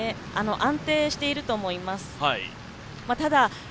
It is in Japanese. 安定していると思います。